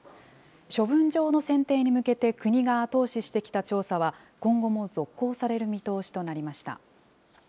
処分場の選定に向けて国が後押ししてきた調査は、今後も続行される見通しとなりました。